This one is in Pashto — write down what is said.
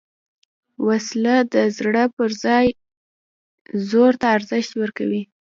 وسله د زړه پر ځای زور ته ارزښت ورکوي